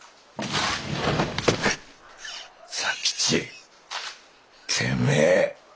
佐吉てめえ。